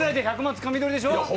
つかみ取りでしょう？